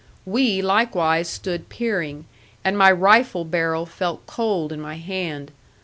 We likewise stood peering, and my rifle barrel felt cold in my hand.